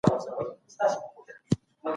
بډایان له دین څخه د وسیلې کار اخلي.